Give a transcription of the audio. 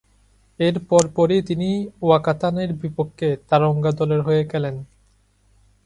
এর পরপরই তিনি ওয়াকাতানের বিপক্ষে তারঙ্গা দলের হয়ে খেলেন।